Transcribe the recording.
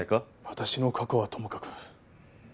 私の過去はともかく。